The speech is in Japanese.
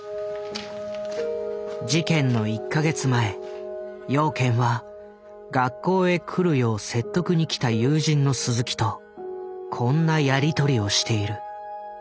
事件の１か月前養賢は学校へ来るよう説得に来た友人の鈴木とこんなやり取りをしている。